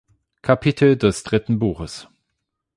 Kapitel des dritten Buches.